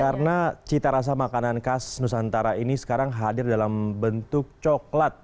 karena cita rasa makanan khas nusantara ini sekarang hadir dalam bentuk coklat